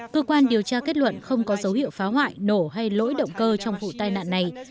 cơ quan điều tra kết luận không có dấu hiệu phá hoại nổ hay lỗi động cơ trong vụ tai nạn này